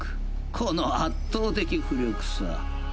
この圧倒的巫力差。